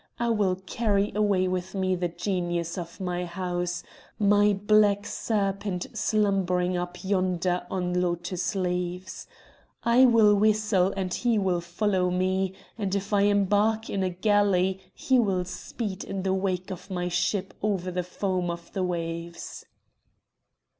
I will carry away with me the genius of my house, my black serpent slumbering up yonder on lotus leaves! I will whistle and he will follow me, and if I embark in a galley he will speed in the wake of my ship over the foam of the waves."